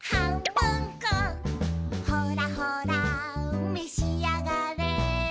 「ほらほらめしあがれ」